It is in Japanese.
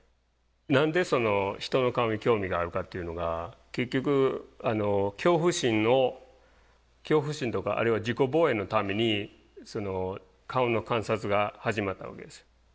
何でその人の顔に興味があるかっていうのが結局恐怖心の恐怖心とかあるいは自己防衛のために顔の観察が始まったわけです。